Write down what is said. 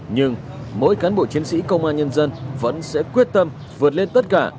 nhưng mỗi cán bộ chiến sĩ công an nhân dân vẫn sẽ quyết tâm vượt lên tất cả